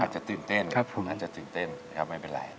อาจจะตื่นเต้นอาจจะตื่นเต้นครับไม่เป็นไร